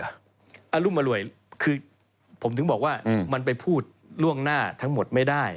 อารุมอร่วยคือผมถึงบอกว่ามันไปพูดล่วงหน้าทั้งหมดไม่ได้